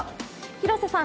廣瀬さん